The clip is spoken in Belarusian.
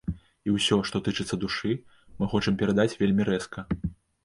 І ўсё, што тычыцца душы, мы хочам перадаць вельмі рэзка.